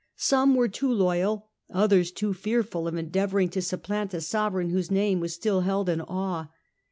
Some were too loyal, others too fearful of endeavouring to supplant a sovereign whose name was still held in awe.